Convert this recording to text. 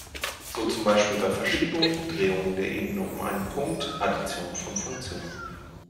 So zum Beispiel bei Verschiebungen, Drehungen der Ebene um einen Punkt, Addition von Funktionen.